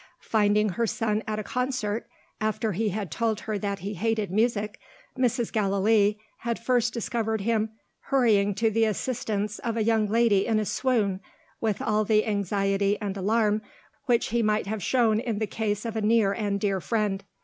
Finding her son at a concert (after he had told her that he hated music) Mrs. Gallilee, had first discovered him hurrying to the assistance of a young lady in a swoon, with all the anxiety and alarm which he might have shown in the case of a near and dear friend.